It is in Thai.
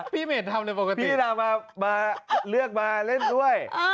พี่เจน่ามาเลือกมาเล่นด้วย